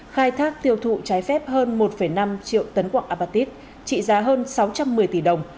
khai thác tiêu thụ trái phép hơn một năm triệu tấn quạng abatit trị giá hơn sáu trăm một mươi tỷ đồng